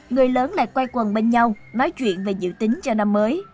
người lớn lại quay quần bên nhau nói chuyện về dự tính cho năm mới